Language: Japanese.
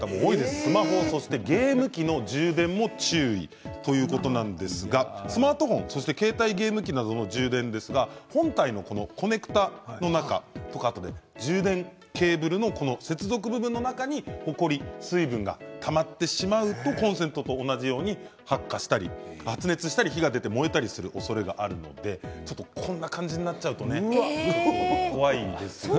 スマホ、そしてゲーム機の中も注意ということなんですがスマートフォン携帯ゲーム機などの充電ですが本体のコネクターの中とか充電ケーブルの接続部分の中にほこり、水分がたまってしまうとコンセントと同じように発火したり発熱したり火が出て燃えたりするおそれがあるのでこんな感じになっちゃうと怖いですよね。